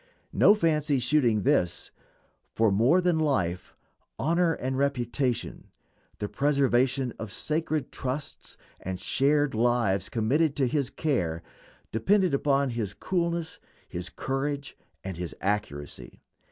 No fancy shooting this; for more than life honor and reputation, the preservation of sacred trusts and cherished lives committed to his care, depend upon his coolness, his courage, and his accuracy.